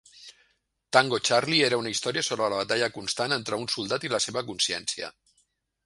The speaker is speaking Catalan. "Tango Charlie" era una història sobre la batalla constant entre un soldat i la seva consciència.